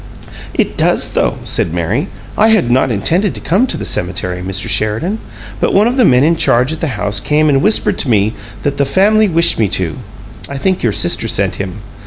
"It does, though," said Mary. "I had not intended to come to the cemetery, Mr. Sheridan, but one of the men in charge at the house came and whispered to me that 'the family wished me to' I think your sister sent him.